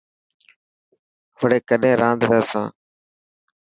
وڙي ڪڏهن راند رحسان.